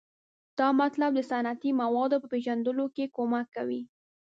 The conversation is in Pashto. دا مطالب د صنعتي موادو په پیژندلو کې کومک کوي.